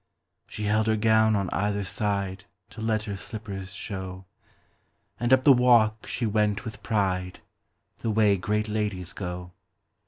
She held her gown on either sideTo let her slippers show, And up the walk she went with pride, The way great ladies go.